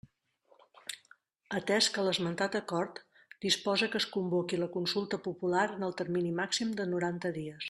Atès que l'esmentat acord disposa que es convoqui la consulta popular en el termini màxim de noranta dies.